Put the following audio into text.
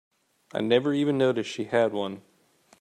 I never even noticed she had one.